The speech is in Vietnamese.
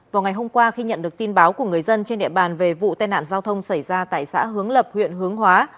vào ngày hôm qua khi nhận được tin báo của người dân trên địa bàn về vụ tai nạn giao thông xảy ra tại xã hướng lập huyện hướng hóa